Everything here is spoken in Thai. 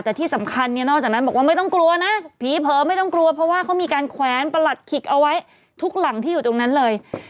แต่ที่สำคัญเนี่ยนอกจากนั้นบอกว่าไม่ต้องกลัวนะผีเผลอไม่ต้องกลัวเพราะว่าเขามีการแขวนประหลัดขิกเอาไว้ทุกหลังที่อยู่ตรงนั้นเลย